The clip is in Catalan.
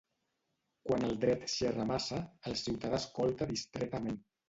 Quan el dret xerra massa, el ciutadà escolta distretament.